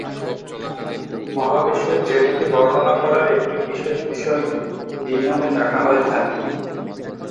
মহাবিশ্বের জ্যামিতি বর্ণনা করার একটি বিশেষ বিষয়কে এই নামে ডাকা হয়ে থাকে।